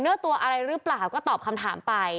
เนื้อตัวอะไรหรือเปล่าก็ตอบคำถามไป